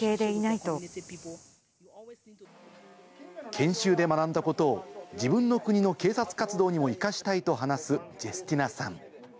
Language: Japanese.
研修で学んだことを自分の国の警察活動にも生かしたいと話す、ジェスティナさん。